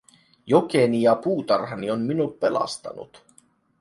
Jokeni ja puutarhani on minut pelastanut.